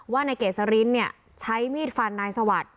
ว่านายเกษรินเนี่ยใช้มีดฟันนายสวัสดิ์